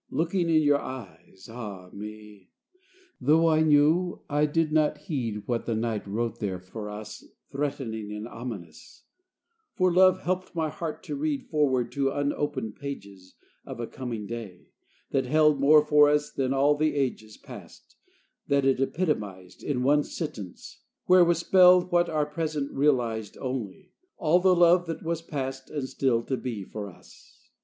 Looking in your eyes, ah me! Though I knew, I did not heed What the night wrote there for us, Threatening and ominous: For love helped my heart to read Forward to unopened pages Of a coming day, that held More for us than all the ages Past, that it epitomized In one sentence; where was spelled What our present realized Only all the love that was Past and still to be for us.